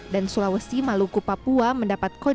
dan sulawesi maluku papua mendapat kode delapan